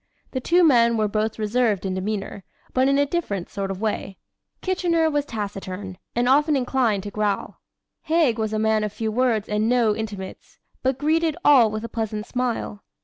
The two men were both reserved in demeanor, but in a different sort of way. Kitchener was taciturn and often inclined to growl. Haig was a man of few words and no intimates, but greeted all with a pleasant smile.